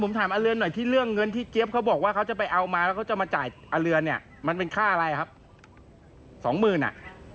ผมถามอาเรือนหน่อยที่เรื่องเงินที่เจี๊ยบเขาบอกว่าเขาจะไปเอามาแล้วเขาจะมาจ่ายเรือนเนี่ยมันเป็นค่าอะไรครับสองหมื่นอ่ะ